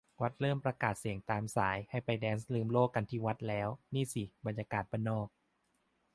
วัดเริ่มประกาศเสียงตามสายให้ไปแด๊นซ์ลืมโลกกันที่วัดแล้ว นี่สิบรรยากาศบ้านนอก